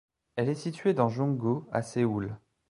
Elle est située dans Jung-gu, à Séoul.